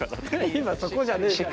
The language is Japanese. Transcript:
今そこじゃねえから。